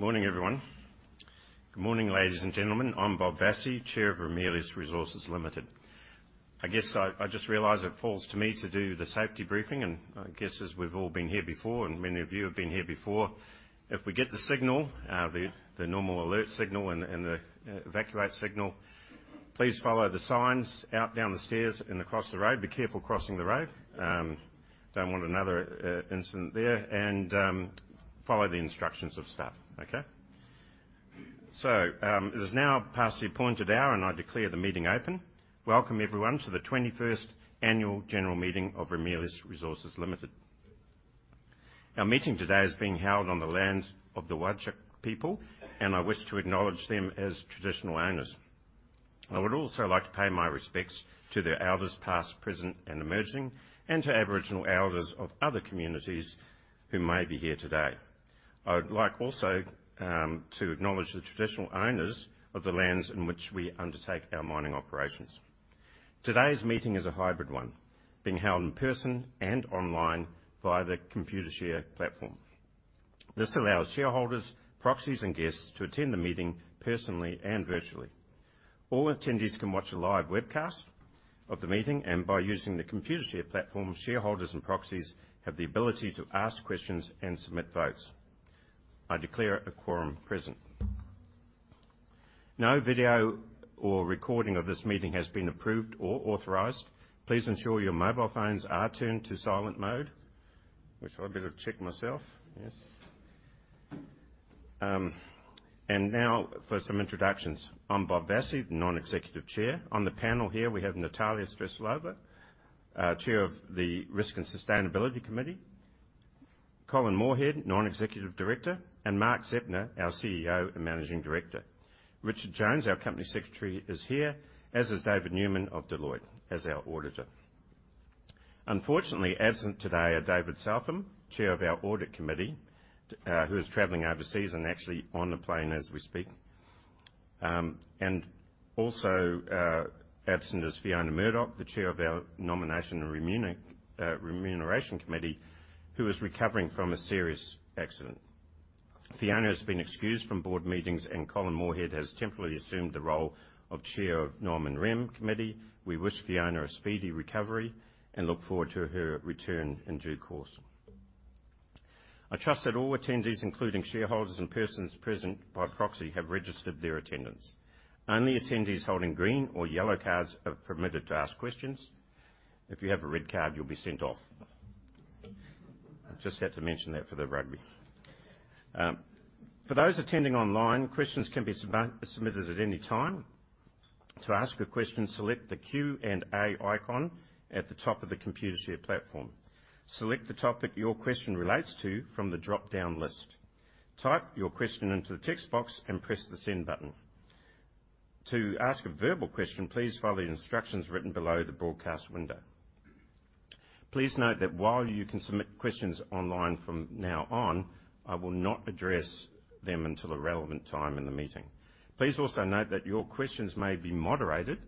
Good morning, everyone. Good morning, ladies and gentlemen. I'm Bob Vassie, Chair of Ramelius Resources Limited. I guess I just realized it falls to me to do the safety briefing, and I guess as we've all been here before, and many of you have been here before, if we get the signal, the normal alert signal and the evacuate signal, please follow the signs out, down the stairs and across the road. Be careful crossing the road. Don't want another incident there. And follow the instructions of staff, okay? So, it is now past the appointed hour, and I declare the meeting open. Welcome, everyone, to the 21st annual general meeting of Ramelius Resources Limited. Our meeting today is being held on the lands of the Whadjuk people, and I wish to acknowledge them as traditional owners. I would also like to pay my respects to their elders, past, present, and emerging, and to Aboriginal elders of other communities who may be here today. I would like also to acknowledge the traditional owners of the lands in which we undertake our mining operations. Today's meeting is a hybrid one, being held in person and online via the Computershare platform. This allows shareholders, proxies, and guests to attend the meeting personally and virtually. All attendees can watch a live webcast of the meeting, and by using the Computershare platform, shareholders and proxies have the ability to ask questions and submit votes. I declare a quorum present. No video or recording of this meeting has been approved or authorized. Please ensure your mobile phones are turned to silent mode, which I better check myself. Yes. And now for some introductions. I'm Bob Vassie, the Non-Executive Chair. On the panel here, we have Natalia Streltsova, Chair of the Risk and Sustainability Committee. Colin Moorhead, non-executive director, and Mark Zeptner, our CEO and Managing Director. Richard Jones, our company secretary, is here, as is David Newman of Deloitte, as our auditor. Unfortunately, absent today are David Southam, Chair of our Audit Committee, who is traveling overseas and actually on the plane as we speak. And also, absent is Fiona Murdoch, the Chair of our Nomination and Remuneration Committee, who is recovering from a serious accident. Fiona has been excused from board meetings, and Colin Moorhead has temporarily assumed the role of Chair of Nom and Rem Committee. We wish Fiona a speedy recovery and look forward to her return in due course. I trust that all attendees, including shareholders and persons present by proxy, have registered their attendance. Only attendees holding green or yellow cards are permitted to ask questions. If you have a red card, you'll be sent off. I just had to mention that for the rugby. For those attending online, questions can be submitted at any time. To ask a question, select the Q&A icon at the top of the Computershare platform. Select the topic your question relates to from the drop-down list. Type your question into the text box and press the Send button. To ask a verbal question, please follow the instructions written below the broadcast window. Please note that while you can submit questions online from now on, I will not address them until a relevant time in the meeting. Please also note that your questions may be moderated,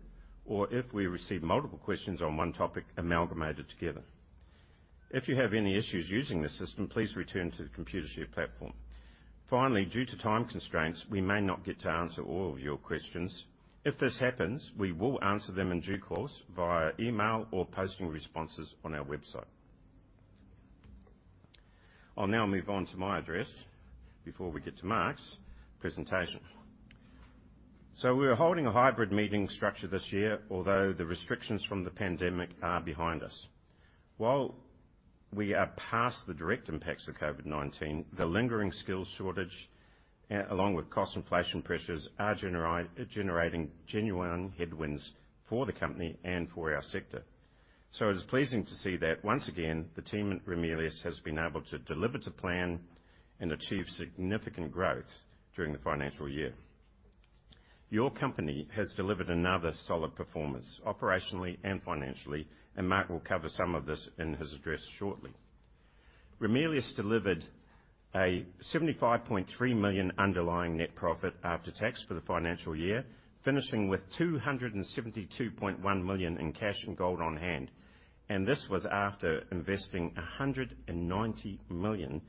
or if we receive multiple questions on one topic, amalgamated together. If you have any issues using the system, please return to the Computershare platform. Finally, due to time constraints, we may not get to answer all of your questions. If this happens, we will answer them in due course via email or posting responses on our website. I'll now move on to my address before we get to Mark's presentation. So we're holding a hybrid meeting structure this year, although the restrictions from the pandemic are behind us. While we are past the direct impacts of COVID-19, the lingering skills shortage, along with cost inflation pressures, are generating genuine headwinds for the company and for our sector. So it is pleasing to see that, once again, the team at Ramelius has been able to deliver to plan and achieve significant growth during the financial year. Your company has delivered another solid performance, operationally and financially, and Mark will cover some of this in his address shortly. Ramelius delivered 75.3 million underlying net profit after tax for the financial year, finishing with 272.1 million in cash and gold on hand, and this was after investing 190 million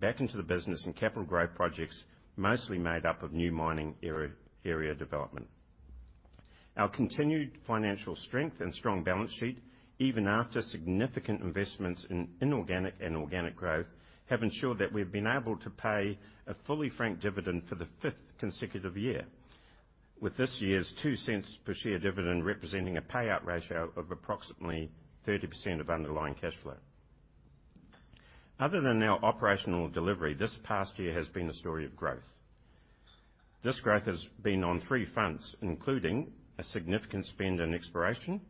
back into the business and capital growth projects, mostly made up of new mining area, area development. Our continued financial strength and strong balance sheet, even after significant investments in inorganic and organic growth, have ensured that we've been able to pay a fully franked dividend for the fifth consecutive year, with this year's 0.02 per share dividend representing a payout ratio of approximately 30% of underlying cash flow. Other than our operational delivery, this past year has been a story of growth. This growth has been on three fronts, including a significant spend on exploration,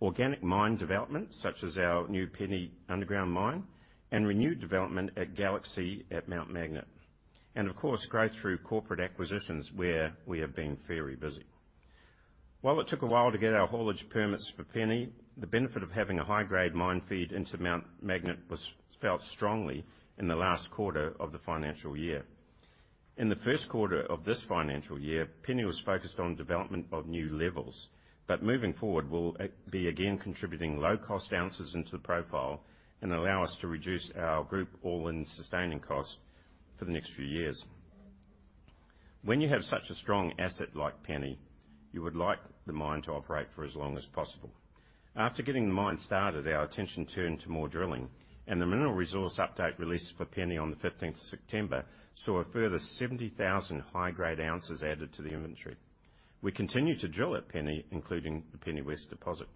organic mine development, such as our new Penny underground mine, and renewed development at Galaxy at Mount Magnet, and of course, growth through corporate acquisitions, where we have been very busy. While it took a while to get our haulage permits for Penny, the benefit of having a high-grade mine feed into Mount Magnet was felt strongly in the last quarter of the financial year. In the first quarter of this financial year, Penny was focused on development of new levels, but moving forward, we'll be again contributing low-cost ounces into the profile and allow us to reduce our group all-in sustaining cost for the next few years. When you have such a strong asset like Penny, you would like the mine to operate for as long as possible. After getting the mine started, our attention turned to more drilling, and the mineral resource update released for Penny on the fifteenth of September saw a further 70,000 high-grade ounces added to the inventory. We continue to drill at Penny, including the Penny West deposit.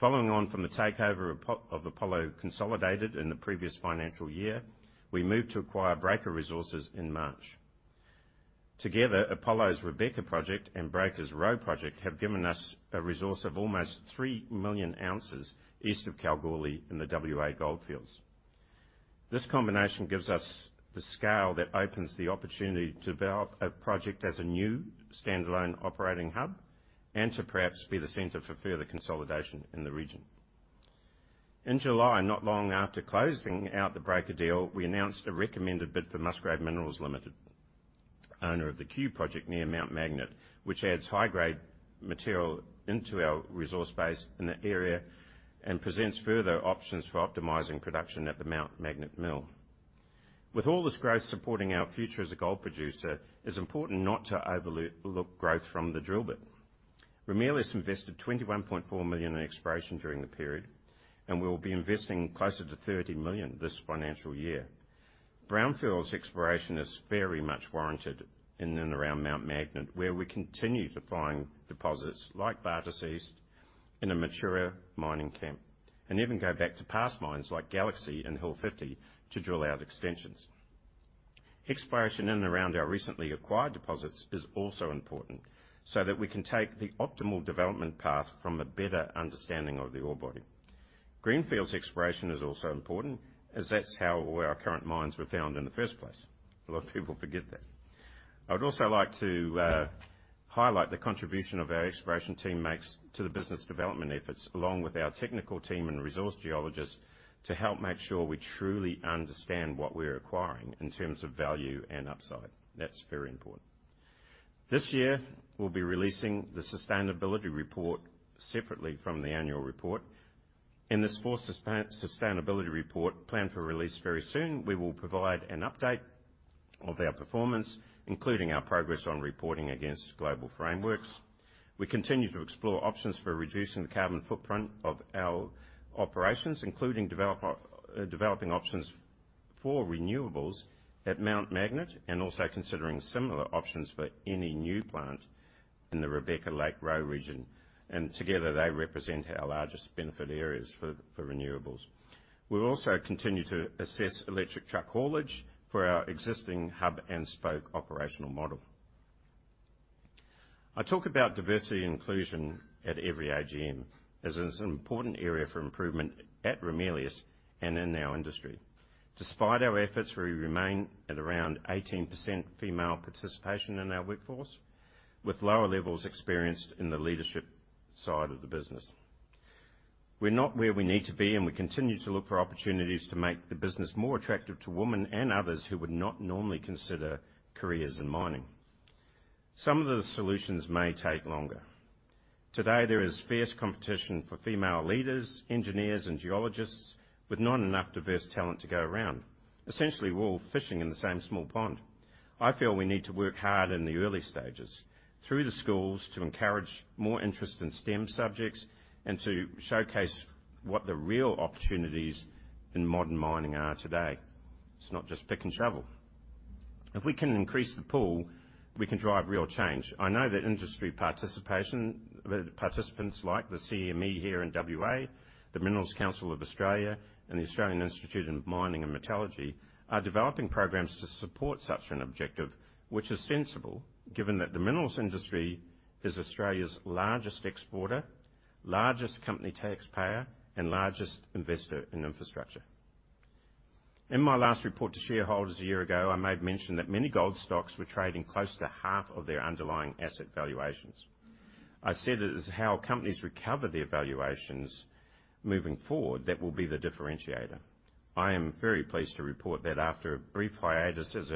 Following on from the takeover of Apollo Consolidated in the previous financial year, we moved to acquire Breaker Resources in March. Together, Apollo's Rebecca Project and Breaker's Roe Project have given us a resource of almost 3 million ounces east of Kalgoorlie in the WA Goldfields. This combination gives us the scale that opens the opportunity to develop a project as a new standalone operating hub and to perhaps be the center for further consolidation in the region. In July, not long after closing out the Breaker deal, we announced a recommended bid for Musgrave Minerals Limited, owner of the Cue Project near Mount Magnet, which adds high-grade material into our resource base in the area and presents further options for optimizing production at the Mount Magnet mill. With all this growth supporting our future as a gold producer, it's important not to overlook growth from the drill bit. Ramelius invested AUD 21.4 million in exploration during the period, and we will be investing closer to AUD 30 million this financial year. Brownfields exploration is very much warranted in and around Mount Magnet, where we continue to find deposits like Bartus East in a mature mining camp, and even go back to past mines like Galaxy and Hill 50 to drill out extensions. Exploration in and around our recently acquired deposits is also important, so that we can take the optimal development path from a better understanding of the ore body. Greenfields exploration is also important as that's how all our current mines were found in the first place. A lot of people forget that. I would also like to highlight the contribution of our exploration team makes to the business development efforts, along with our technical team and resource geologists, to help make sure we truly understand what we're acquiring in terms of value and upside. That's very important. This year, we'll be releasing the sustainability report separately from the annual report. In this fourth sustainability report, planned for release very soon, we will provide an update of our performance, including our progress on reporting against global frameworks. We continue to explore options for reducing the carbon footprint of our operations, including developing options for renewables at Mount Magnet, and also considering similar options for any new plant in the Rebecca, Lake Roe region, and together, they represent our largest benefit areas for renewables. We'll also continue to assess electric truck haulage for our existing hub-and-spoke operational model. I talk about diversity and inclusion at every AGM, as it's an important area for improvement at Ramelius and in our industry. Despite our efforts, we Remain at around 18% female participation in our workforce, with lower levels experienced in the leadership side of the business. We're not where we need to be, and we continue to look for opportunities to make the business more attractive to women and others who would not normally consider careers in mining. Some of the solutions may take longer. Today, there is fierce competition for female leaders, engineers, and geologists with not enough diverse talent to go around. Essentially, we're all fishing in the same small pond. I feel we need to work hard in the early stages through the schools to encourage more interest in STEM subjects and to showcase what the real opportunities in modern mining are today. It's not just pick and shovel. If we can increase the pool, we can drive real change. I know that industry participation, participants like the CME here in WA, the Minerals Council of Australia, and the Australian Institute of Mining and Metallurgy, are developing programs to support such an objective, which is sensible given that the minerals industry is Australia's largest exporter, largest company taxpayer, and largest investor in infrastructure. In my last report to shareholders a year ago, I made mention that many gold stocks were trading close to half of their underlying asset valuations. I said it is how companies recover their valuations moving forward that will be the differentiator. I am very pleased to report that after a brief hiatus as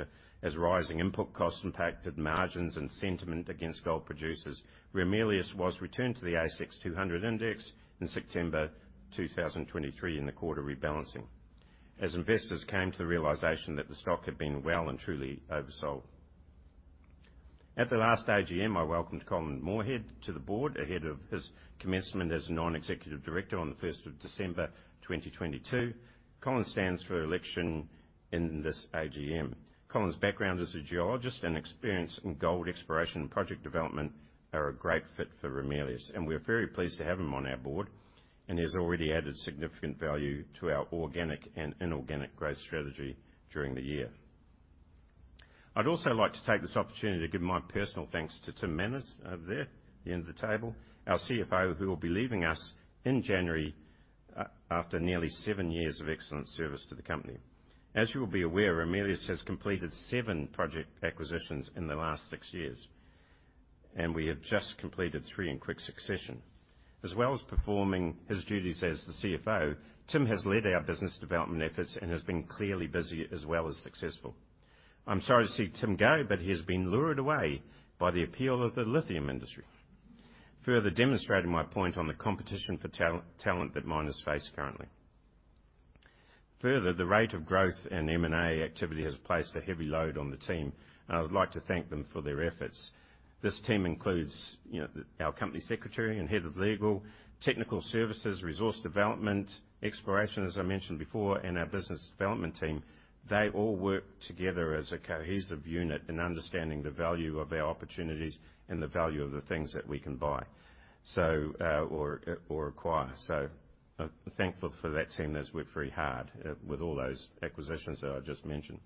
rising input costs impacted margins and sentiment against gold producers, Ramelius was returned to the ASX 200 index in September 2023 in the quarter rebalancing, as investors came to the realization that the stock had been well and truly oversold. At the last AGM, I welcomed Colin Moorhead to the board ahead of his commencement as a non-executive director on the first of December 2022. Colin stands for election in this AGM. Colin's background as a geologist and experience in gold exploration and project development are a great fit for Ramelius, and we're very pleased to have him on our board, and he has already added significant value to our organic and inorganic growth strategy during the year. I'd also like to take this opportunity to give my personal thanks to Tim Manners, over there at the end of the table, our CFO, who will be leaving us in January, after nearly seven years of excellent service to the company. As you will be aware, Ramelius has completed seven project acquisitions in the last six years, and we have just completed three in quick succession. As well as performing his duties as the CFO, Tim has led our business development efforts and has been clearly busy as well as successful. I'm sorry to see Tim go, but he has been lured away by the appeal of the lithium industry... further demonstrating my point on the competition for talent that miners face currently. Further, the rate of growth and M&A activity has placed a heavy load on the team, and I would like to thank them for their efforts. This team includes, you know, our company secretary and head of legal, technical services, resource development, exploration, as I mentioned before, and our business development team. They all work together as a cohesive unit in understanding the value of our opportunities and the value of the things that we can buy, so, or acquire. So I'm thankful for that team that's worked very hard, with all those acquisitions that I just mentioned.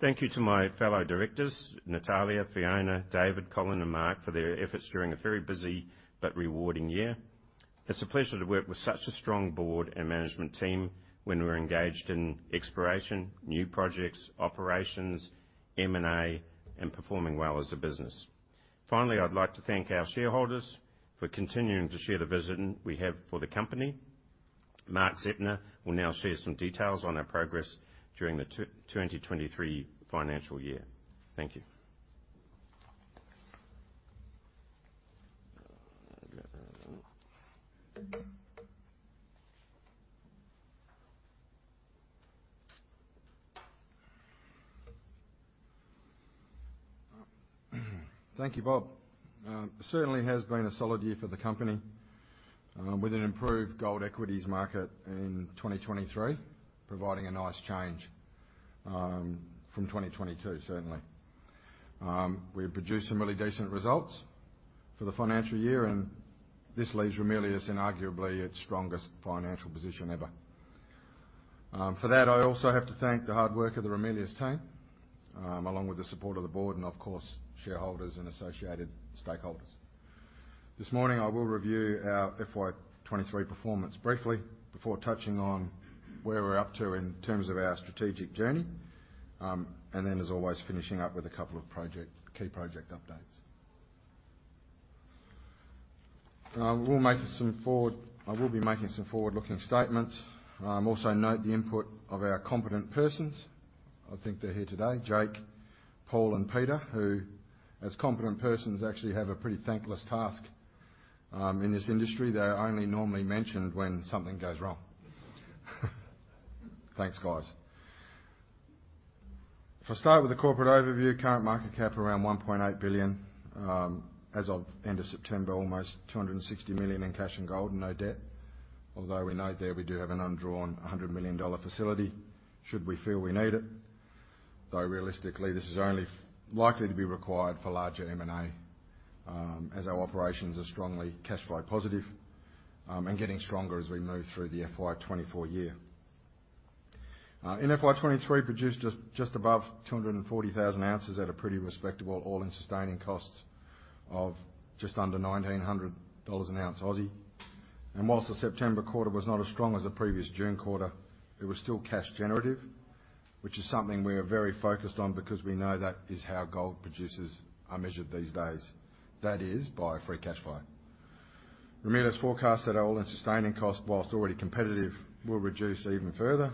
Thank you to my fellow directors, Natalia, Fiona, David, Colin, and Mark, for their efforts during a very busy but rewarding year. It's a pleasure to work with such a strong board and management team when we're engaged in exploration, new projects, operations, M&A, and performing well as a business. Finally, I'd like to thank our shareholders for continuing to share the vision we have for the company. Mark Zeptner will now share some details on our progress during the 2023 financial year. Thank you. Thank you, Bob. It certainly has been a solid year for the company, with an improved gold equities market in 2023, providing a nice change from 2022, certainly. We've produced some really decent results for the financial year, and this leaves Ramelius in arguably its strongest financial position ever. For that, I also have to thank the hard work of the Ramelius team, along with the support of the board and, of course, shareholders and associated stakeholders. This morning, I will review our FY 2023 performance briefly before touching on where we're up to in terms of our strategic journey. And then, as always, finishing up with a couple of key project updates. I will be making some forward-looking statements. Also note the input of our competent persons. I think they're here today, Jake, Paul, and Peter, who, as competent persons, actually have a pretty thankless task in this industry. They are only normally mentioned when something goes wrong. Thanks, guys. If I start with the corporate overview, current market cap around 1.8 billion. As of end of September, almost 260 million in cash and gold and no debt. Although we note there we do have an undrawn 100 million dollar facility, should we feel we need it. Though realistically, this is only likely to be required for larger M&A, as our operations are strongly cash flow positive, and getting stronger as we move through the FY 2024 year. In FY 2023, produced just above 240,000 ounces at a pretty respectable all-in sustaining cost of just under 1,900 dollars an ounce Aussie. Whilst the September quarter was not as strong as the previous June quarter, it was still cash generative, which is something we are very focused on because we know that is how gold producers are measured these days. That is, by free cash flow. Ramelius forecast that our all-in sustaining cost, whilst already competitive, will reduce even further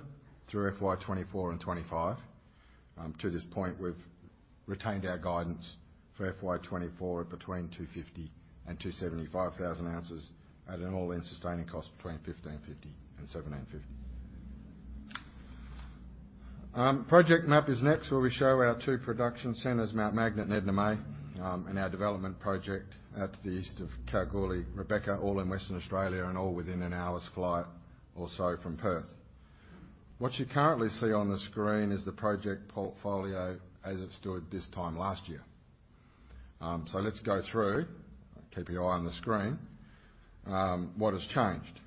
through FY 2024 and 2025. To this point, we've retained our guidance for FY 2024 at between 250,000-275,000 ounces at an all-in sustaining cost between 1,550-1,750. Project map is next, where we show our two production centers, Mount Magnet and Edna May, and our development project out to the east of Kalgoorlie, Rebecca, all in Western Australia and all within an hour's flight or so from Perth. What you currently see on the screen is the project portfolio as it stood this time last year. So let's go through, keep your eye on the screen, what has changed.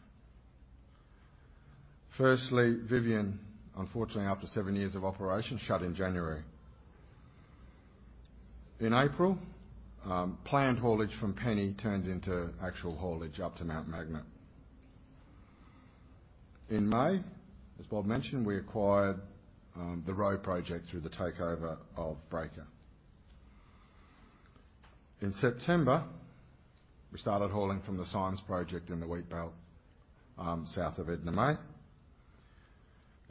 Firstly, Vivien, unfortunately, after 7 years of operation, shut in January. In April, planned haulage from Penny turned into actual haulage up to Mount Magnet. In May, as Bob mentioned, we acquired the Roe project through the takeover of Breaker. In September, we started hauling from the Symes project in the Wheatbelt, south of Edna May.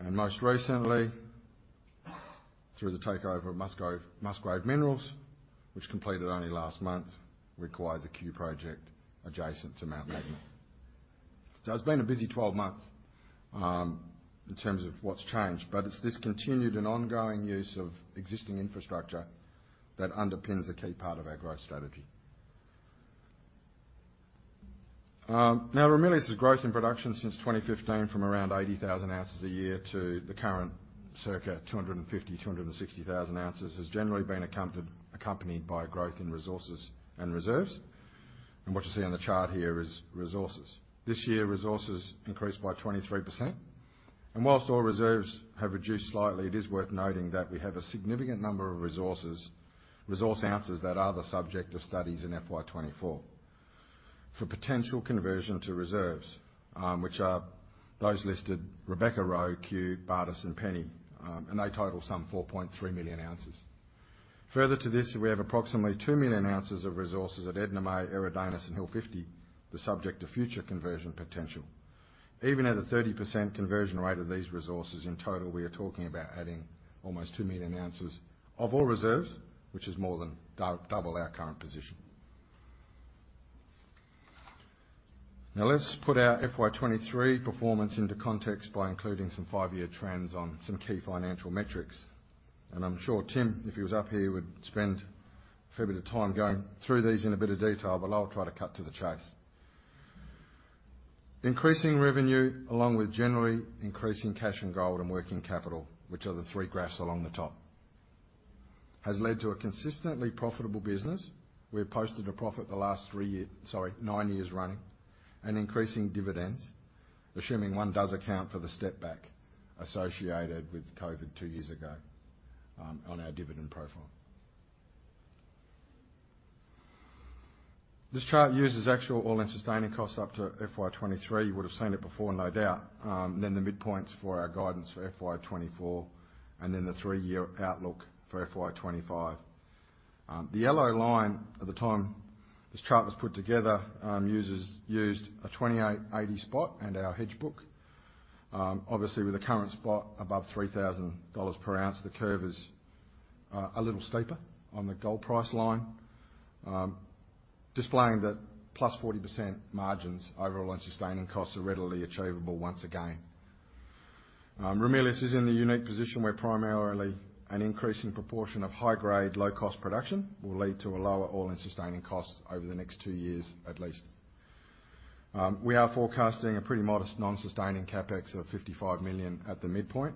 And most recently, through the takeover of Musgrave, Musgrave Minerals, which completed only last month, we acquired the Cue project adjacent to Mount Magnet. So it's been a busy 12 months, in terms of what's changed, but it's this continued and ongoing use of existing infrastructure that underpins a key part of our growth strategy. Now, Ramelius' growth in production since 2015, from around 80,000 ounces a year to the current circa 250,000-260,000 ounces, has generally been accompanied by growth in resources and reserves. What you see on the chart here is resources. This year, resources increased by 23%, and while all reserves have reduced slightly, it is worth noting that we have a significant number of resources, resource ounces, that are the subject of studies in FY 2024 for potential conversion to reserves, which are those listed, Rebecca, Roe, Cue, Bartus and Penny, and they total some 4.3 million ounces. Further to this, we have approximately 2 million ounces of resources at Edna May, Eridanus, and Hill 50, the subject of future conversion potential. Even at a 30% conversion rate of these resources, in total, we are talking about adding almost 2 million ounces of all reserves, which is more than double our current position. Now, let's put our FY 2023 performance into context by including some 5-year trends on some key financial metrics. I'm sure Tim, if he was up here, would spend a fair bit of time going through these in a bit of detail, but I'll try to cut to the chase. Increasing revenue, along with generally increasing cash and gold and working capital, which are the three graphs along the top, has led to a consistently profitable business. We've posted a profit the last three years, sorry, nine years running, and increasing dividends, assuming one does account for the step back associated with COVID two years ago, on our dividend profile. This chart uses actual all-in sustaining costs up to FY 2023. You would have seen it before, no doubt. Then the midpoints for our guidance for FY 2024, and then the three-year outlook for FY 2025. The yellow line at the time this chart was put together used a $2,880 spot and our hedge book. Obviously, with the current spot above $3,000 per ounce, the curve is a little steeper on the gold price line, displaying that +40% margins over all-in sustaining costs are readily achievable once again. Ramelius is in the unique position where primarily an increasing proportion of high-grade, low-cost production will lead to a lower all-in sustaining cost over the next two years, at least. We are forecasting a pretty modest non-sustaining CapEx of 55 million at the midpoint,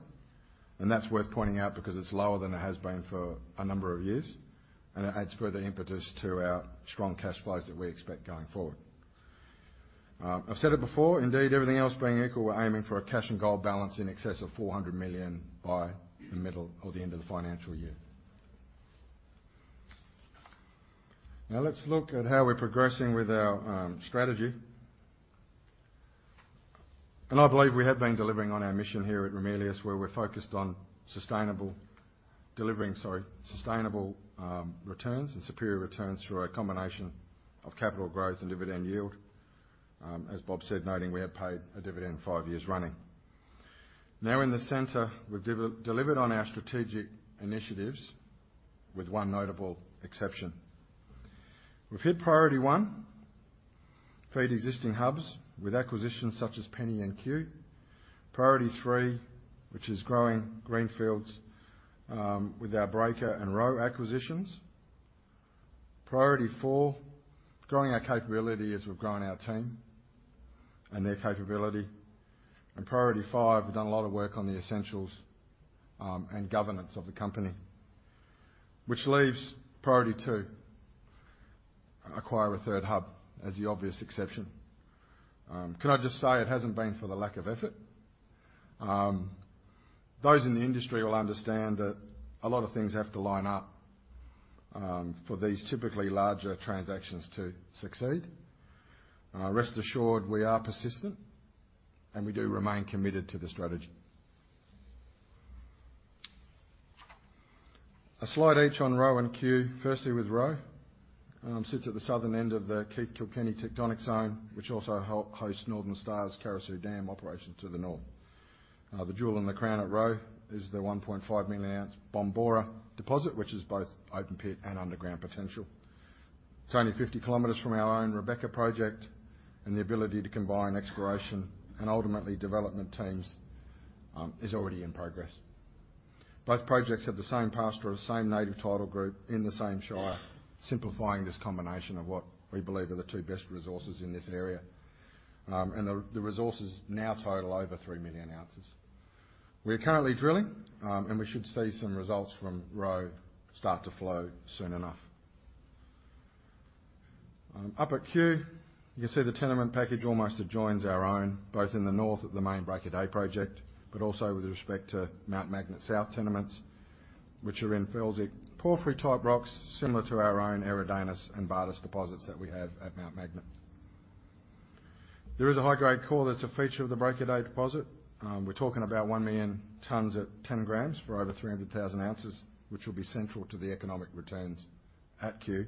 and that's worth pointing out because it's lower than it has been for a number of years, and it adds further impetus to our strong cash flows that we expect going forward. I've said it before, indeed, everything else being equal, we're aiming for a cash and gold balance in excess of 400 million by the middle or the end of the financial year. Now, let's look at how we're progressing with our strategy. I believe we have been delivering on our mission here at Ramelius, where we're focused on sustainable delivering, sorry, sustainable returns and superior returns through a combination of capital growth and dividend yield. As Bob said, noting we have paid a dividend five years running. Now, in the center, we've delivered on our strategic initiatives, with one notable exception. We've hit priority one, feed existing hubs with acquisitions such as Penny and Cue. Priority three, which is growing greenfields, with our Breaker and Roe acquisitions. Priority four, growing our capability as we've grown our team and their capability. And priority five, we've done a lot of work on the essentials, and governance of the company. Which leaves priority two, acquire a third hub as the obvious exception. Can I just say it hasn't been for the lack of effort? Those in the industry will understand that a lot of things have to line up, for these typically larger transactions to succeed. Rest assured, we are persistent, and we do Remain committed to the strategy. A slide each on Roe and Cue. Firstly, with Roe, sits at the southern end of the Keith Kilkenny Tectonic Zone, which also hosts Northern Star's Carosue Dam operation to the north. The jewel in the crown at Roe is the 1.5 million ounce Bombora deposit, which is both open pit and underground potential. It's only 50 kilometers from our own Rebecca project, and the ability to combine exploration and ultimately development teams is already in progress. Both projects have the same pastoralist, the same native title group in the same shire, simplifying this combination of what we believe are the two best resources in this area. And the resources now total over 3 million ounces. We are currently drilling, and we should see some results from Roe start to flow soon enough. Up at Cue, you can see the tenement package almost adjoins our own, both in the north of the main Break of Day project, but also with respect to Mount Magnet South tenements, which are in felsic porphyry-type rocks, similar to our own Eridanus and Bartus deposits that we have at Mount Magnet. There is a high-grade core that's a feature of the Break of Day deposit. We're talking about 1 million tons at 10 grams for over 300,000 ounces, which will be central to the economic returns at Cue,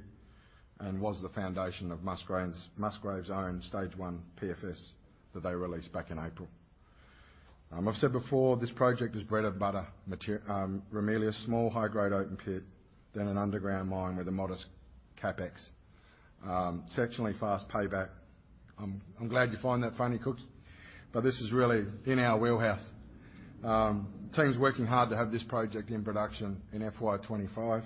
and was the foundation of Musgrave's own stage one PFS that they released back in April. I've said before, this project is bread and butter matter for Ramelius, small, high-grade, open pit, then an underground mine with a modest CapEx. Spectacularly fast payback. I'm glad you find that funny, Cook, but this is really in our wheelhouse. Team's working hard to have this project in production in FY 25.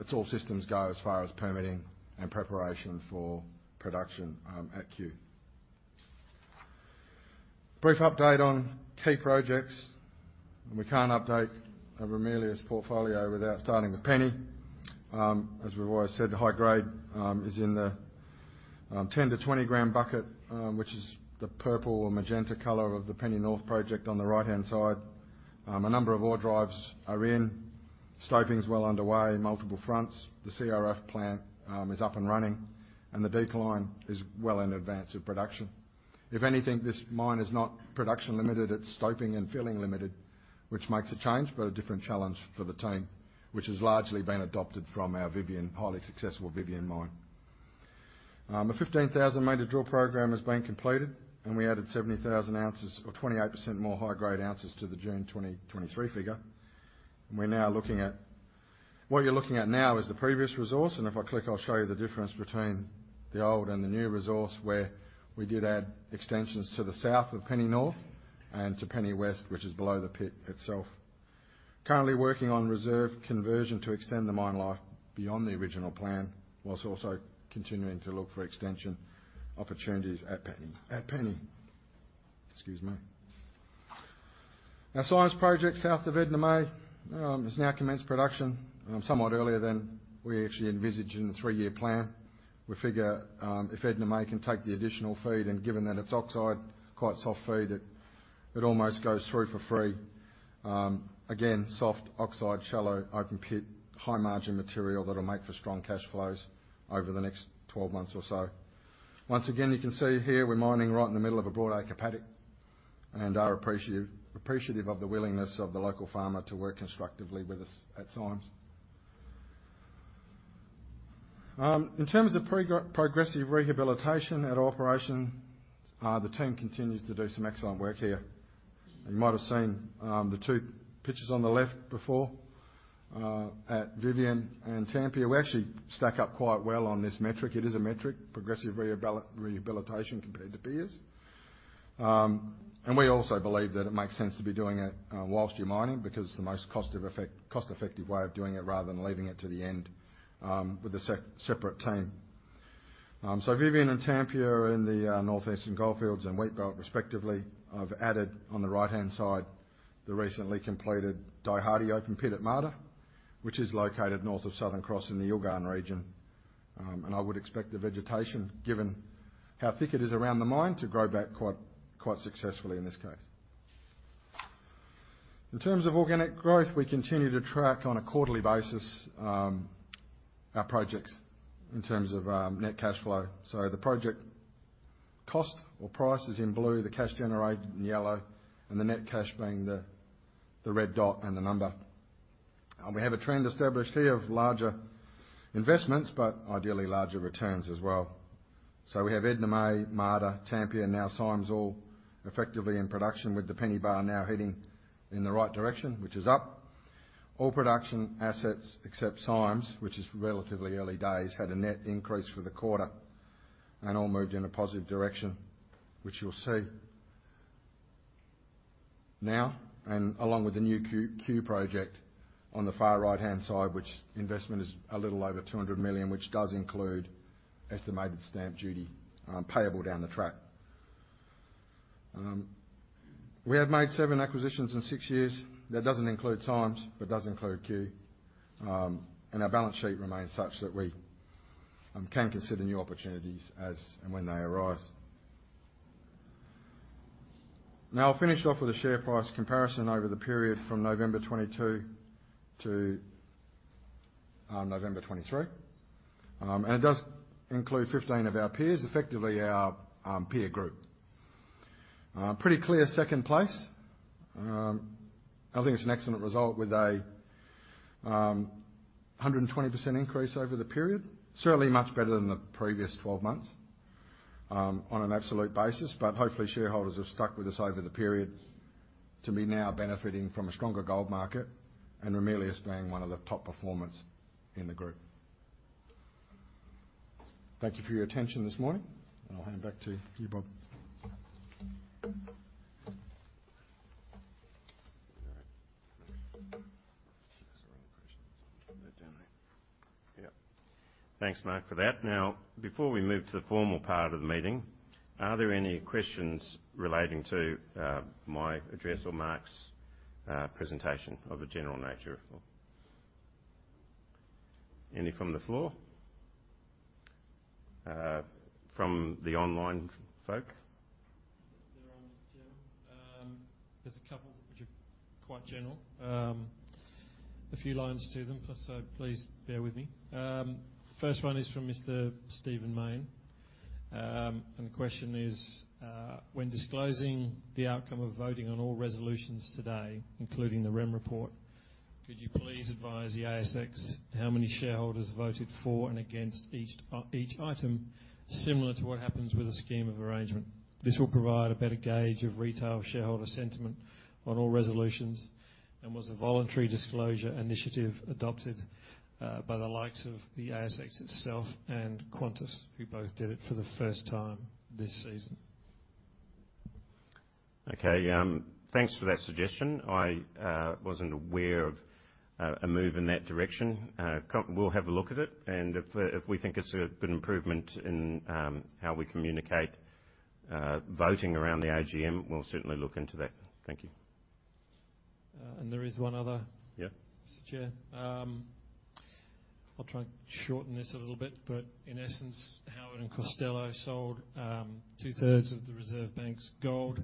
It's all systems go as far as permitting and preparation for production at Cue. Brief update on key projects, and we can't update a Ramelius portfolio without starting with Penny. As we've always said, the high grade is in the 10-20 gram bucket, which is the purple or magenta color of the Penny North project on the right-hand side. A number of ore drives are in, stoping is well underway, multiple fronts. The CRF plant is up and running, and the decline is well in advance of production. If anything, this mine is not production limited, it's stoping and filling limited, which makes a change, but a different challenge for the team, which has largely been adopted from our Vivien, highly successful Vivien mine. A 15,000-meter drill program has been completed, and we added 70,000 ounces or 28% more high-grade ounces to the June 2023 figure. And we're now looking at - what you're looking at now is the previous resource, and if I click, I'll show you the difference between the old and the new resource, where we did add extensions to the south of Penny North and to Penny West, which is below the pit itself. Currently working on reserve conversion to extend the mine life beyond the original plan, whilst also continuing to look for extension opportunities at Penny, at Penny. Excuse me. Now, Symes project, south of Edna May, has now commenced production, somewhat earlier than we actually envisaged in the 3-year plan. We figure, if Edna May can take the additional feed, and given that it's oxide, quite soft feed, it, it almost goes through for free. Again, soft oxide, shallow, open pit, high-margin material that'll make for strong cash flows over the next 12 months or so. Once again, you can see here, we're mining right in the middle of a broad acre paddock, and are appreciative, appreciative of the willingness of the local farmer to work constructively with us at Symes. In terms of progressive rehabilitation at operation, the team continues to do some excellent work here. You might have seen, the two pictures on the left before, at Vivien and Tampia. We actually stack up quite well on this metric. It is a metric, progressive rehabilitation compared to peers. And we also believe that it makes sense to be doing it whilst you're mining, because it's the most cost-effective way of doing it, rather than leaving it to the end with a separate team. So Vivien and Tampia are in the Northeastern Goldfields and Wheatbelt, respectively. I've added on the right-hand side the recently completed Die Hardy open pit at Marda, which is located north of Southern Cross in the Yilgarn region. And I would expect the vegetation, given how thick it is around the mine, to grow back quite, quite successfully in this case. In terms of organic growth, we continue to track on a quarterly basis our projects in terms of net cash flow. The project cost or price is in blue, the cash generated in yellow, and the net cash being the red dot and the number. We have a trend established here of larger investments, but ideally larger returns as well. We have Edna May, Marda, Tampia, now Symes, all effectively in production, with the Penny bar now heading in the right direction, which is up. All production assets, except Symes, which is relatively early days, had a net increase for the quarter and all moved in a positive direction, which you'll see. Now, along with the new Cue project on the far right-hand side, which investment is a little over 200 million, which does include estimated stamp duty payable down the track. We have made 7 acquisitions in 6 years. That doesn't include Symes, but does include Cue. And our balance sheet Remains such that we can consider new opportunities as and when they arise. Now, I'll finish off with a share price comparison over the period from November 2022 to November 2023. And it does include 15 of our peers, effectively our peer group. Pretty clear second place. I think it's an excellent result with a 120% increase over the period. Certainly much better than the previous 12 months on an absolute basis, but hopefully, shareholders have stuck with us over the period to be now benefiting from a stronger gold market and Ramelius being one of the top performers in the group. Thank you for your attention this morning, and I'll hand it back to you, Bob. All right. There's a wrong question. Put that down there. Yeah. Thanks, Mark, for that. Now, before we move to the formal part of the meeting, are there any questions relating to my address or Mark's presentation of a general nature at all? Any from the floor? From the online folk? There are, Mr. Chairman. There's a couple which are quite general. A few lines to them, so please bear with me. First one is from Mr. Stephen Mayne. And the question is: "When disclosing the outcome of voting on all resolutions today, including the Rem report, could you please advise the ASX how many shareholders voted for and against each item, similar to what happens with a scheme of arrangement? This will provide a better gauge of retail shareholder sentiment on all resolutions and was a voluntary disclosure initiative adopted by the likes of the ASX itself and Qantas, who both did it for the first time this season. Okay, thanks for that suggestion. I wasn't aware of a move in that direction. We'll have a look at it, and if we think it's a good improvement in how we communicate voting around the AGM, we'll certainly look into that. Thank you. And there is one other- Yeah. Mr. Chair. I'll try and shorten this a little bit, but in essence, Howard and Costello sold two-thirds of the Reserve Bank's gold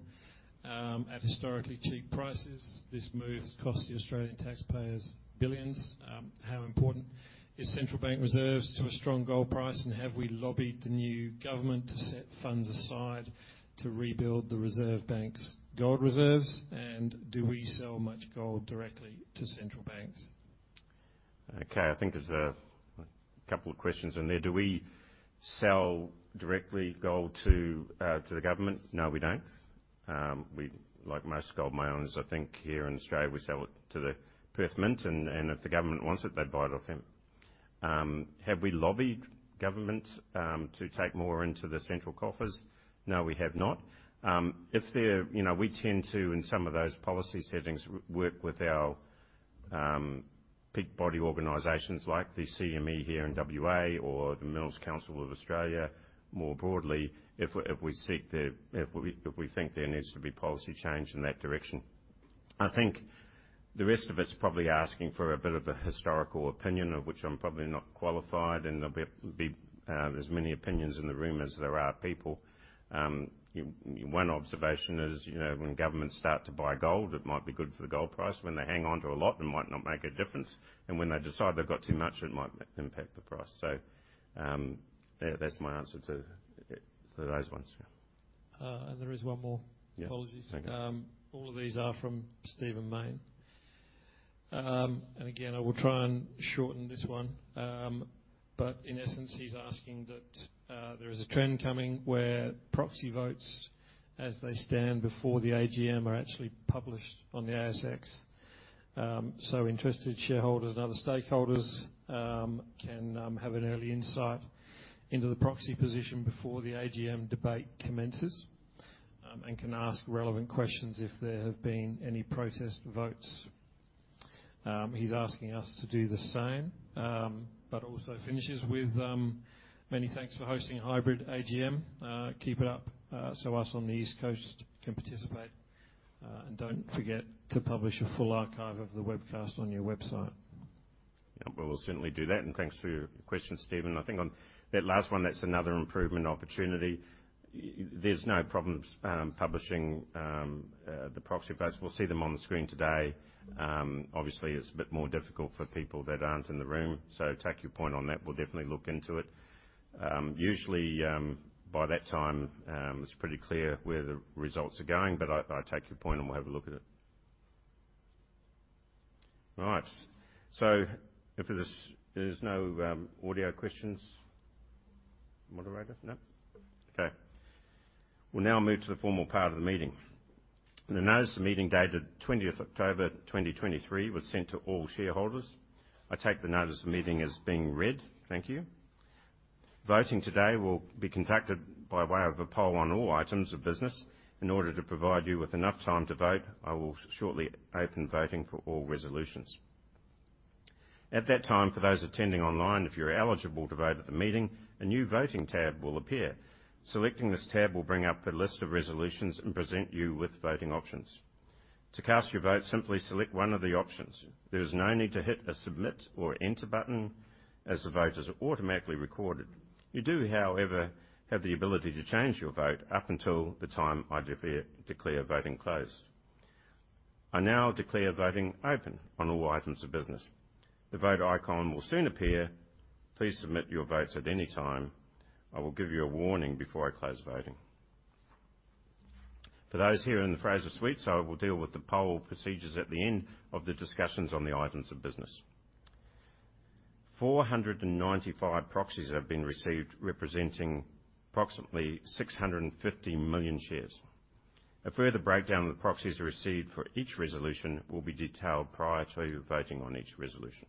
at historically cheap prices. This move has cost the Australian taxpayers billions. How important is central bank reserves to a strong gold price? And have we lobbied the new government to set funds aside to rebuild the Reserve Bank's gold reserves? And do we sell much gold directly to central banks? Okay, I think there's a couple of questions in there. Do we sell directly gold to the government? No, we don't. We, like most gold miners, I think here in Australia, we sell it to the Perth Mint, and if the government wants it, they'd buy it off them. Have we lobbied government to take more into the central coffers? No, we have not. If they're. You know, we tend to, in some of those policy settings, work with our peak body organizations like the CME here in WA or the Minerals Council of Australia, more broadly, if we seek the, if we think there needs to be policy change in that direction. I think the rest of it's probably asking for a bit of a historical opinion, of which I'm probably not qualified, and there'll be as many opinions in the room as there are people. One observation is, you know, when governments start to buy gold, it might be good for the gold price. When they hang on to a lot, it might not make a difference, and when they decide they've got too much, it might impact the price. So, yeah, that's my answer to those ones. Yeah. There is one more. Yeah. Apologies. Thank you. All of these are from Stephen Mayne. And again, I will try and shorten this one. But in essence, he's asking that there is a trend coming where proxy votes, as they stand before the AGM, are actually published on the ASX. So interested shareholders and other stakeholders can have an early insight into the proxy position before the AGM debate commences, and can ask relevant questions if there have been any protest votes. He's asking us to do the same, but also finishes with: "Many thanks for hosting a hybrid AGM. Keep it up, so us on the East Coast can participate. And don't forget to publish a full archive of the webcast on your website. Yeah, well, we'll certainly do that, and thanks for your question, Stephen. I think on that last one, that's another improvement opportunity. There's no problems publishing the proxy votes. We'll see them on the screen today. Obviously, it's a bit more difficult for people that aren't in the room, so take your point on that. We'll definitely look into it. Usually, by that time, it's pretty clear where the results are going, but I take your point, and we'll have a look at it. Right. So if there's no audio questions, moderator? No? Okay. We'll now move to the formal part of the meeting. The notice of the meeting, dated 20th October 2023, was sent to all shareholders. I take the notice of the meeting as being read. Thank you. Voting today will be conducted by way of a poll on all items of business. In order to provide you with enough time to vote, I will shortly open voting for all resolutions. At that time, for those attending online, if you're eligible to vote at the meeting, a new Voting tab will appear. Selecting this tab will bring up a list of resolutions and present you with voting options. To cast your vote, simply select one of the options. There is no need to hit a Submit or Enter button, as the vote is automatically recorded. You do, however, have the ability to change your vote up until the time I declare voting closed. I now declare voting open on all items of business. The Vote icon will soon appear. Please submit your votes at any time. I will give you a warning before I close voting. For those here in the Fraser Suite, so we'll deal with the poll procedures at the end of the discussions on the items of business. 495 proxies have been received, representing approximately 650 million shares. A further breakdown of the proxies received for each resolution will be detailed prior to voting on each resolution.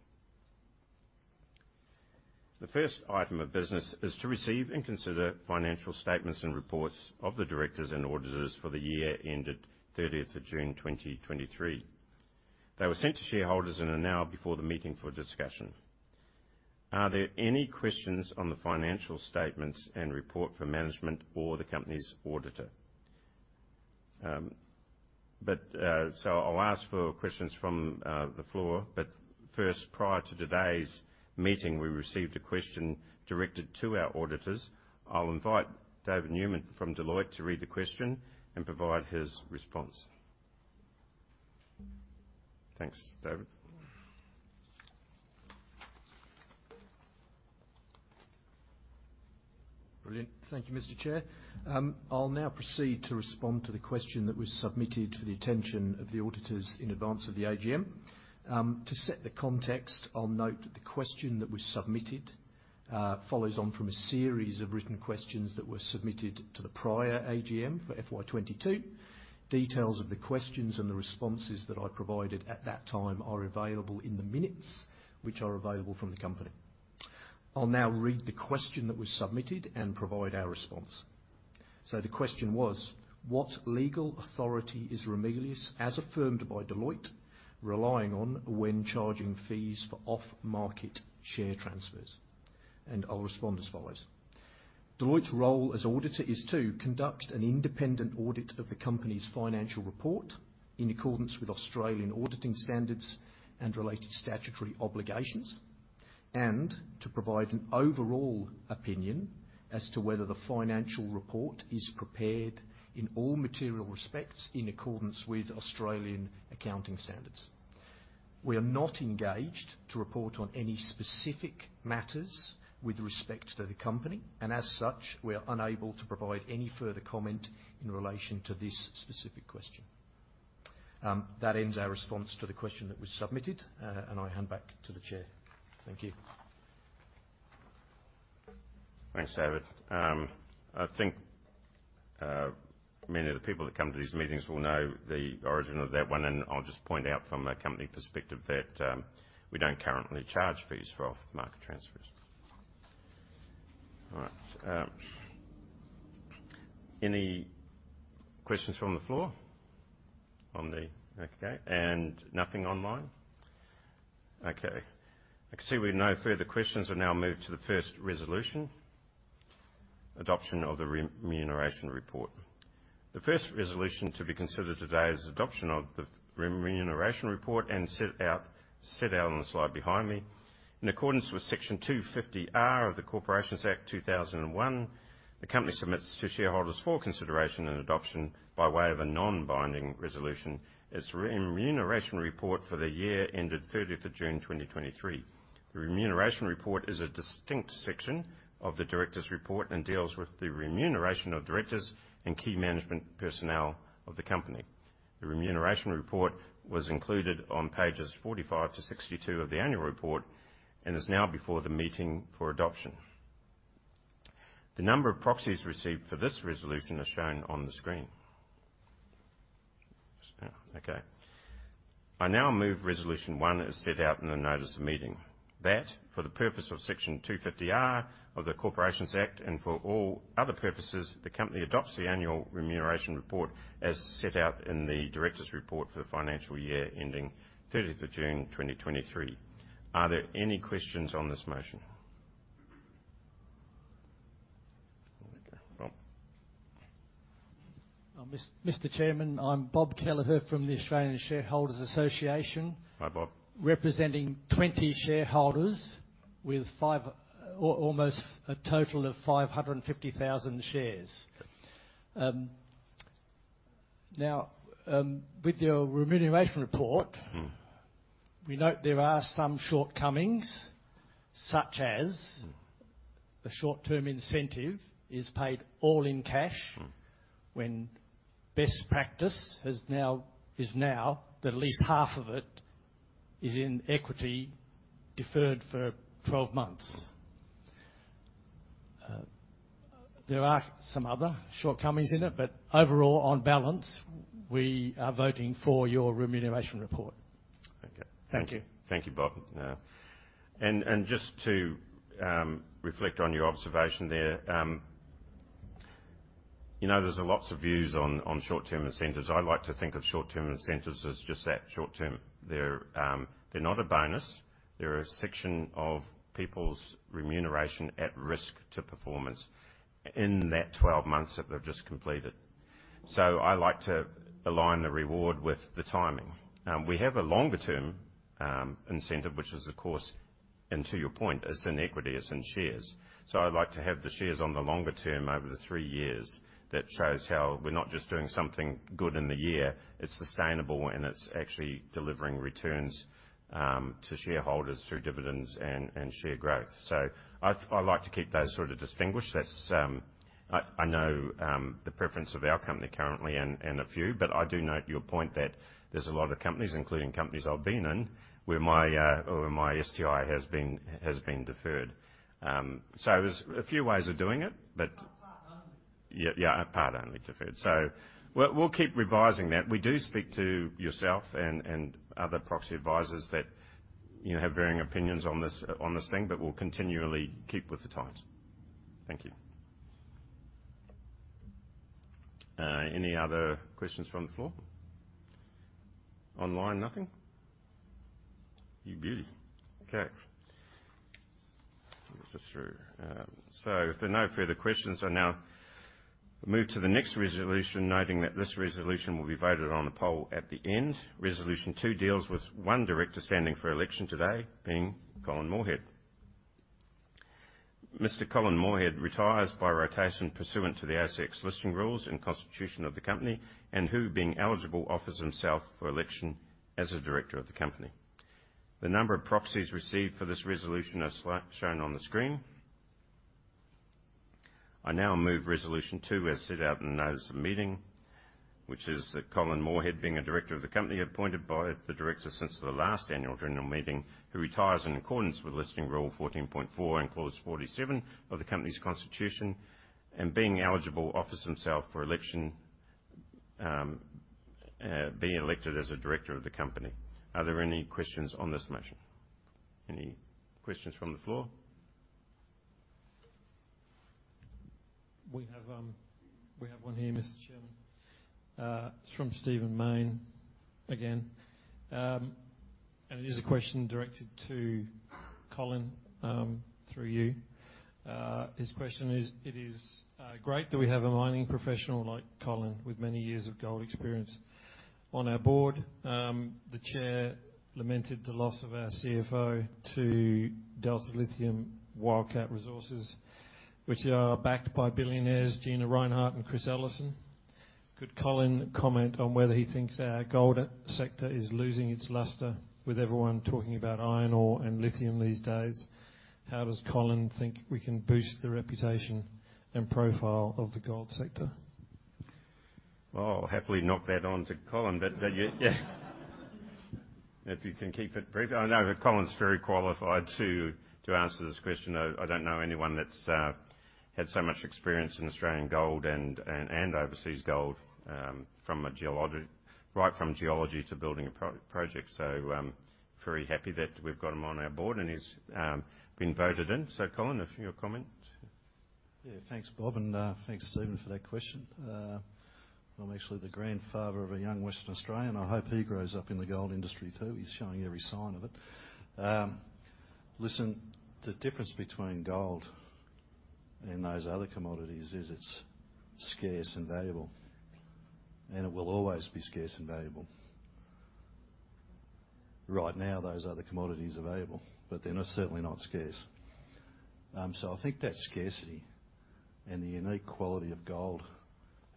The first item of business is to receive and consider financial statements and reports of the directors and auditors for the year ended 30th of June 2023. They were sent to shareholders in an email before the meeting for discussion. Are there any questions on the financial statements and report for management or the company's auditor? So I'll ask for questions from the floor, but first, prior to today's meeting, we received a question directed to our auditors. I'll invite David Newman from Deloitte to read the question and provide his response. Thanks, David. Brilliant. Thank you, Mr. Chair. I'll now proceed to respond to the question that was submitted to the attention of the auditors in advance of the AGM. To set the context, I'll note that the question that was submitted follows on from a series of written questions that were submitted to the prior AGM for FY 2022. Details of the questions and the responses that I provided at that time are available in the minutes, which are available from the company. I'll now read the question that was submitted and provide our response. So the question was: What legal authority is Ramelius, as affirmed by Deloitte, relying on when charging fees for off-market share transfers? And I'll respond as follows.... Deloitte's role as auditor is to conduct an independent audit of the company's financial report in accordance with Australian Auditing Standards and related statutory obligations, and to provide an overall opinion as to whether the financial report is prepared in all material respects, in accordance with Australian Accounting Standards. We are not engaged to report on any specific matters with respect to the company, and as such, we are unable to provide any further comment in relation to this specific question. That ends our response to the question that was submitted, and I hand back to the chair. Thank you. Thanks, David. I think many of the people that come to these meetings will know the origin of that one, and I'll just point out from a company perspective that we don't currently charge fees for off-market transfers. All right, any questions from the floor on the... Okay, and nothing online? Okay. I can see with no further questions, we now move to the first resolution, adoption of the Remuneration report. The first resolution to be considered today is adoption of the Remuneration report and set out on the slide behind me. In accordance with Section 250R of the Corporations Act 2001, the company submits to shareholders for consideration and adoption by way of a non-binding resolution, its Remuneration report for the year ended 30th June 2023. The Remuneration report is a distinct section of the directors' report and deals with the Remuneration of directors and key management personnel of the company. The Remuneration report was included on pages 45-62 of the annual report and is now before the meeting for adoption. The number of proxies received for this resolution are shown on the screen. Yeah, okay. I now move resolution one as set out in the notice of meeting, that for the purpose of Section 250 R of the Corporations Act and for all other purposes, the company adopts the annual Remuneration report as set out in the directors' report for the financial year ending thirtieth of June 2023. Are there any questions on this motion? Okay, well. Mr. Chairman, I'm Bob Kelleher from the Australian Shareholders Association- Hi, Bob. - representing 20 shareholders with five... Or almost a total of 550,000 shares. Now, with your Remuneration report- Mm. We note there are some shortcomings, such as- Mm. The short-term incentive is paid all in cash. Mm. When best practice has now, is now that at least half of it is in equity, deferred for 12 months. There are some other shortcomings in it, but overall, on balance, we are voting for your Remuneration report. Okay. Thank you. Thank you, Bob. And just to reflect on your observation there, you know, there's lots of views on short-term incentives. I like to think of short-term incentives as just that, short term. They're not a bonus. They're a section of people's Remuneration at risk to performance in that 12 months that they've just completed. So I like to align the reward with the timing. We have a longer-term incentive, which is, of course, and to your point, it's in equity, it's in shares. So I'd like to have the shares on the longer term over the 3 years. That shows how we're not just doing something good in the year, it's sustainable, and it's actually delivering returns to shareholders through dividends and share growth. So I'd like to keep those sort of distinguished. That's... I know the preference of our company currently and a few, but I do note your point that there's a lot of companies, including companies I've been in, where my STI has been deferred. So there's a few ways of doing it, but- Part only. Yeah, yeah, part only deferred. So we'll, we'll keep revising that. We do speak to yourself and, and other proxy advisors that, you know, have varying opinions on this, on this thing, but we'll continually keep with the times. Thank you. Any other questions from the floor? Online, nothing? You beauty. Okay. Let me see through. So if there are no further questions, I now move to the next resolution, noting that this resolution will be voted on a poll at the end. Resolution two deals with one director standing for election today, being Colin Moorhead. Mr. Colin Moorhead retires by rotation pursuant to the ASX listing rules and constitution of the company, and who, being eligible, offers himself for election as a director of the company. The number of proxies received for this resolution are shown on the screen. I now move resolution 2, as set out in the notice of the meeting, which is that Colin Moorhead, being a director of the company, appointed by the director since the last annual general meeting, who retires in accordance with Listing Rule 14.4 and Clause 47 of the company's constitution, and being eligible, offers himself for election, being elected as a director of the company. Are there any questions on this motion? Any questions from the floor? We have, we have one here, Mr. Chairman.... It's from Stephen Mayne again. And it is a question directed to Colin, through you. His question is: It is great that we have a mining professional like Colin, with many years of gold experience. On our board, the chair lamented the loss of our CFO to Delta Lithium, Wildcat Resources, which are backed by billionaires Gina Rinehart and Chris Ellison. Could Colin comment on whether he thinks our gold sector is losing its luster, with everyone talking about iron ore and lithium these days? How does Colin think we can boost the reputation and profile of the gold sector? Well, I'll happily knock that on to Colin, but yeah, if you can keep it brief. I know that Colin's very qualified to answer this question. I don't know anyone that's had so much experience in Australian gold and overseas gold, from geology to building a project. So, very happy that we've got him on our board, and he's been voted in. So Colin, if your comment? Yeah. Thanks, Bob, and thanks, Stephen, for that question. I'm actually the grandfather of a young Western Australian. I hope he grows up in the gold industry, too. He's showing every sign of it. Listen, the difference between gold and those other commodities is it's scarce and valuable, and it will always be scarce and valuable. Right now, those other commodities are valuable, but they're not, certainly not scarce. So I think that scarcity and the unique quality of gold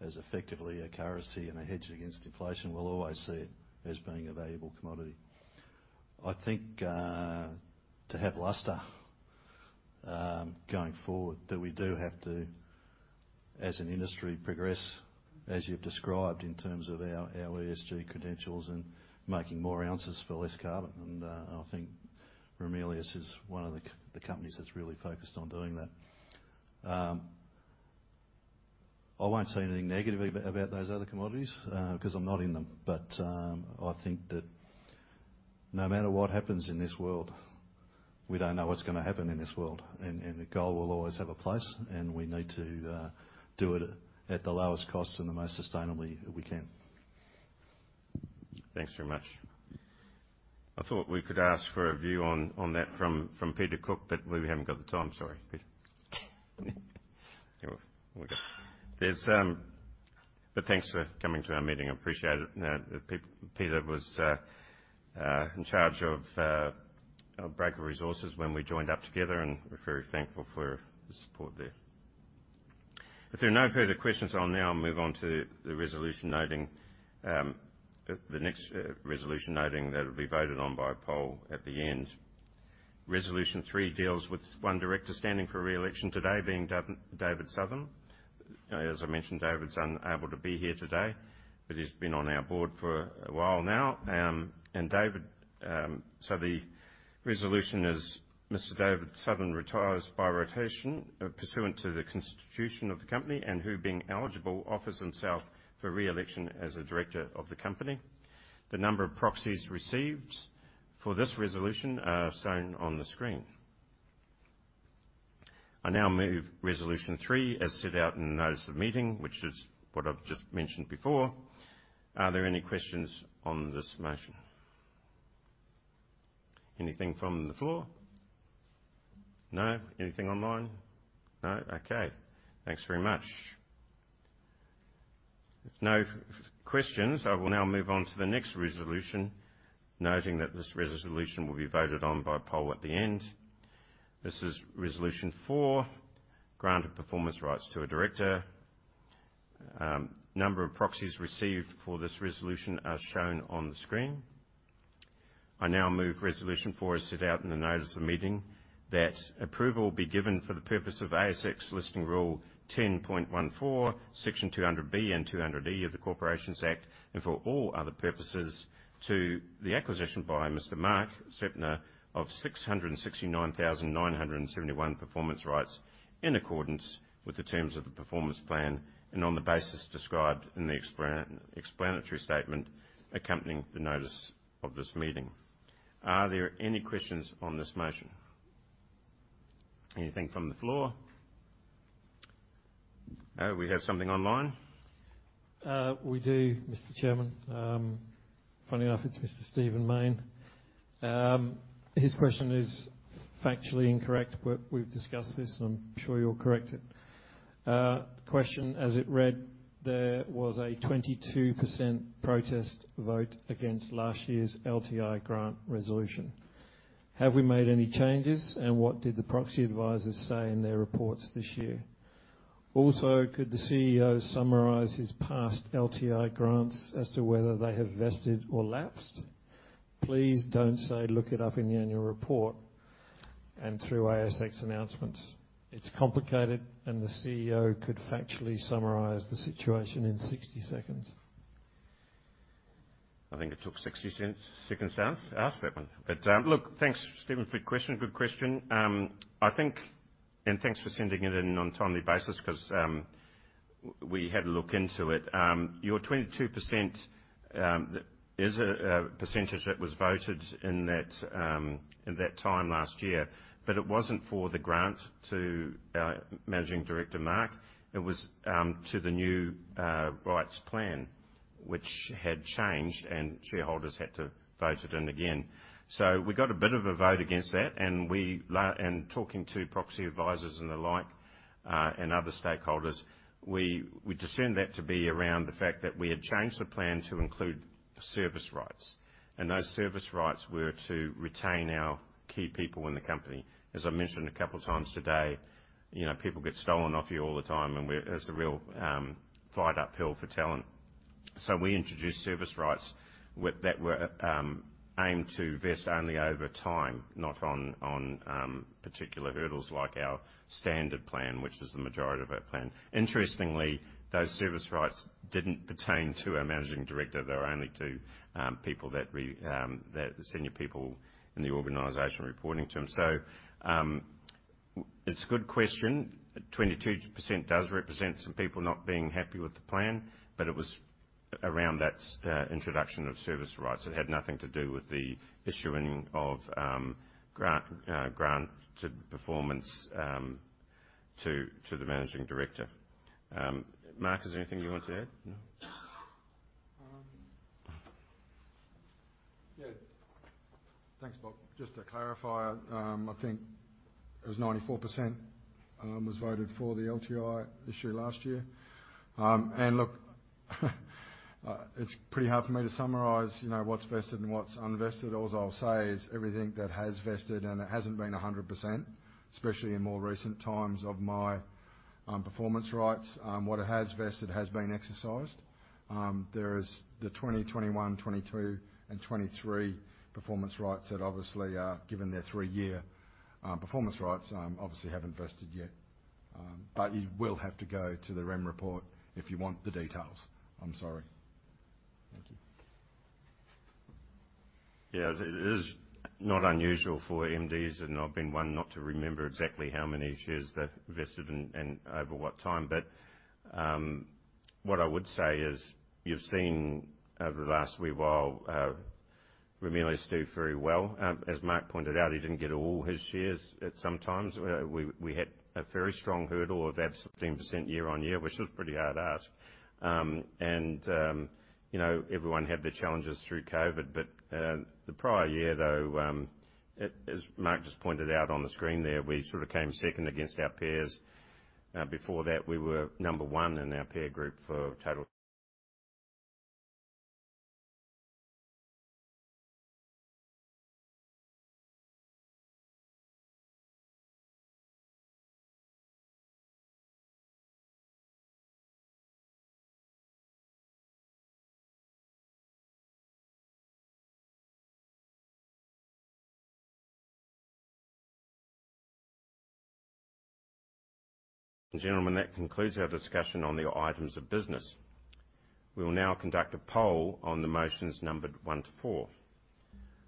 as effectively a currency and a hedge against inflation, will always see it as being a valuable commodity. I think, to have luster, going forward, that we do have to, as an industry, progress, as you've described, in terms of our ESG credentials and making more ounces for less carbon. I think Ramelius is one of the companies that's really focused on doing that. I won't say anything negative about those other commodities, because I'm not in them. But, I think that no matter what happens in this world, we don't know what's gonna happen in this world, and, and the gold will always have a place, and we need to do it at the lowest cost and the most sustainably we can. Thanks very much. I thought we could ask for a view on that from Peter Cook, but we haven't got the time. Sorry, Peter. But thanks for coming to our meeting. I appreciate it. Peter was in charge of Breaker Resources when we joined up together, and we're very thankful for his support there. If there are no further questions, I'll now move on to the resolution noting the next resolution, noting that it'll be voted on by poll at the end. Resolution three deals with one director standing for re-election today, being David Southam. As I mentioned, David's unable to be here today, but he's been on our board for a while now. And David, so the resolution is Mr. David Southam retires by rotation pursuant to the constitution of the company, and who, being eligible, offers himself for re-election as a director of the company. The number of proxies received for this resolution are shown on the screen. I now move resolution three as set out in the notice of the meeting, which is what I've just mentioned before. Are there any questions on this motion? Anything from the floor? No. Anything online? No. Okay. Thanks very much. If no questions, I will now move on to the next resolution, noting that this resolution will be voted on by poll at the end. This is Resolution four: Grant of performance rights to a director. Number of proxies received for this resolution are shown on the screen. I now move resolution four, as set out in the notice of the meeting, that approval be given for the purpose of ASX Listing Rule 10.4, section 200B and 200E of the Corporations Act, and for all other purposes, to the acquisition by Mr. Mark Zeptner of 669,971 performance rights, in accordance with the terms of the performance plan and on the basis described in the explanatory statement accompanying the notice of this meeting. Are there any questions on this motion? Anything from the floor? We have something online. We do, Mr. Chairman. Funny enough, it's Mr. Stephen Mayne. His question is factually incorrect, but we've discussed this, and I'm sure you'll correct it. The question as it read: There was a 22% protest vote against last year's LTI grant resolution. Have we made any changes, and what did the proxy advisors say in their reports this year? Also, could the CEO summarize his past LTI grants as to whether they have vested or lapsed? Please don't say, "Look it up in the annual report and through ASX announcements." It's complicated, and the CEO could factually summarize the situation in 60 seconds. I think it took 60 seconds to ask that one. Look, thanks, Stephen, for the question. Good question. Thanks for sending it in on a timely basis, because we had to look into it. Your 22% is a percentage that was voted in that time last year, but it wasn't for the grant to our Managing Director, Mark. It was to the new rights plan, which had changed, and shareholders had to vote it in again. So we got a bit of a vote against that, and talking to proxy advisors and the like, and other stakeholders, we discerned that to be around the fact that we had changed the plan to include service rights, and those service rights were to retain our key people in the company. As I mentioned a couple times today, you know, people get stolen off you all the time, and it's a real fight uphill for talent. So we introduced service rights that were aimed to vest only over time, not on particular hurdles like our standard plan, which is the majority of our plan. Interestingly, those service rights didn't pertain to our Managing Director. They were only to people, the senior people in the organization reporting to him. So it's a good question. 22% does represent some people not being happy with the plan, but it was around that introduction of service rights. It had nothing to do with the issuing of grant to performance to the Managing Director. Mark, is there anything you want to add? No. Yeah. Thanks, Bob. Just to clarify, I think it was 94% was voted for the LTI issue last year. And look, it's pretty hard for me to summarize, you know, what's vested and what's unvested. All I'll say is everything that has vested, and it hasn't been 100%, especially in more recent times of my performance rights. What it has vested has been exercised. There is the 2020, 2021, 2022, and 2023 performance rights that obviously are, given their three-year performance rights, obviously haven't vested yet. But you will have to go to the Rem report if you want the details. I'm sorry. Thank you. Yeah, it is not unusual for MDs, and I've been one not to Remember exactly how many shares they've vested and over what time. But, what I would say is, you've seen over the last wee while, Ramelius do very well. As Mark pointed out, he didn't get all his shares at some times. We had a very strong hurdle of about 16% year-on-year, which was a pretty hard ask. And, you know, everyone had their challenges through COVID, but, the prior year, though, as Mark just pointed out on the screen there, we sort of came second against our peers. Before that, we were number one in our peer group for total... Gentlemen, that concludes our discussion on the items of business. We will now conduct a poll on the motions numbered 1 to 4.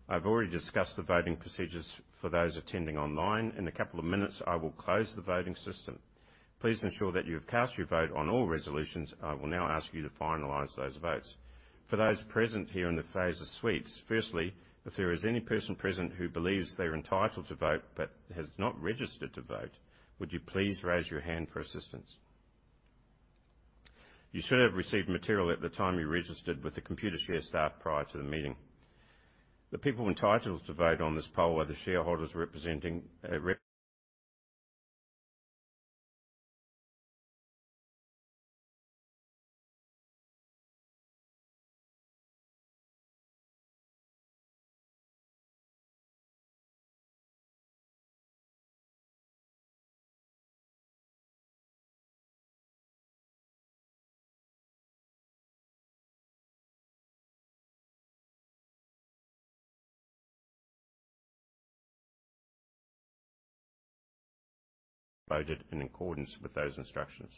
I've already discussed the voting procedures for those attending online. In a couple of minutes, I will close the voting system. Please ensure that you have cast your vote on all resolutions. I will now ask you to finalize those votes. For those present here in the Fraser Suites, firstly, if there is any person present who believes they're entitled to vote but has not registered to vote, would you please raise your hand for assistance? You should have received material at the time you registered with the Computershare staff prior to the meeting. The people entitled to vote on this poll are the shareholders representing, voted in accordance with those instructions.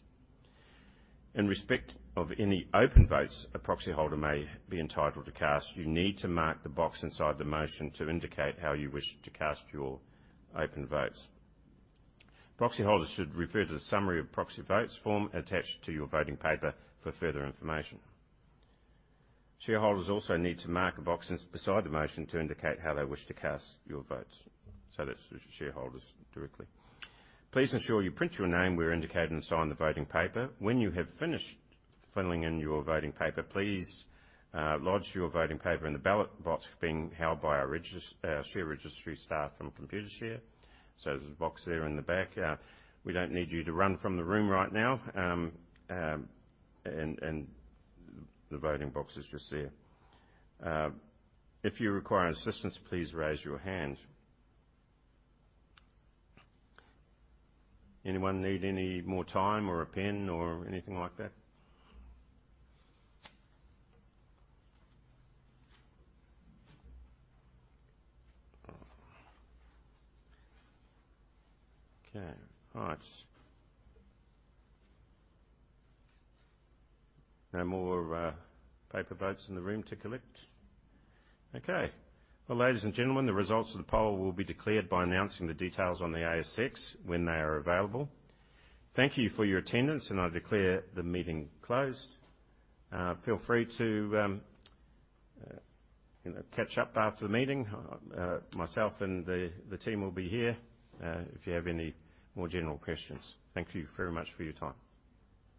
In respect of any open votes a proxyholder may be entitled to cast, you need to mark the box inside the motion to indicate how you wish to cast your open votes. Proxyholders should refer to the Summary of Proxy Votes form attached to your voting paper for further information. Shareholders also need to mark a box beside the motion to indicate how they wish to cast your votes, so that's the shareholders directly. Please ensure you print your name where indicated and sign the voting paper. When you have finished filling in your voting paper, please, lodge your voting paper in the ballot box being held by our share registry staff from Computershare. So there's a box there in the back. We don't need you to run from the room right now. And the voting box is just there. If you require assistance, please raise your hand. Anyone need any more time or a pen or anything like that? Okay, all right. No more paper votes in the room to collect. Okay. Well, ladies and gentlemen, the results of the poll will be declared by announcing the details on the ASX when they are available. Thank you for your attendance, and I declare the meeting closed. Feel free to, you know, catch up after the meeting. Myself and the team will be here, if you have any more general questions. Thank you very much for your time.